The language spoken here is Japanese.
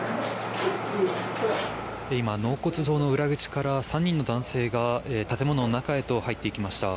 今、納骨堂の裏口から３人の男性が建物の中へと入っていきました。